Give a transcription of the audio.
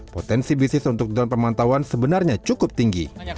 potensi bisnis untuk drone pemantauan sebenarnya cukup tinggi